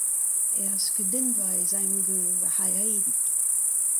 Er skeudennva ez aimp gant va c'haredig.